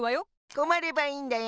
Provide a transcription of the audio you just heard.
こまればいいんだよ。